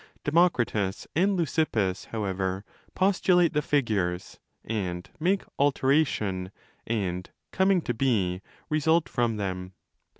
Demokritos and Leukippos, however, postulate the 'figures', and make 'alteration' and coming to be result from them.